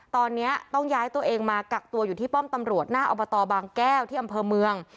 ตอนนี้ต้องย้ายตัวเองมากักตัวอยู่ที่ป้อมตำรวจหน้าอบตบางแก้วที่อำเภอเมือง